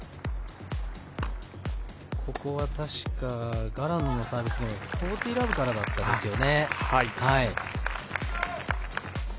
ここはガランのサービス４０−０からだったですよね。